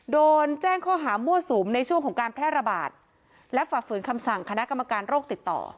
โดนแจ้งข้อหามั่วสุมในช่วงของการแพร่ระบาดและฝ่าฝืนคำสั่งคณะกรรมการโรคติดต่อ